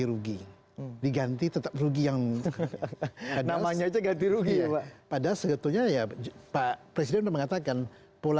untuk webisode itu